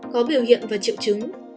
có biểu hiện và triệu chứng